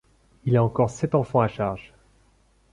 Il a encore sept enfants à charge.